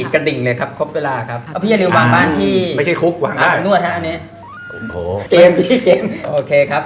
ครบเวลาคับ